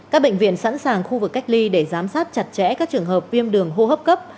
các bệnh viện sẵn sàng khu vực cách ly để giám sát chặt chẽ các trường hợp viêm đường hô hấp cấp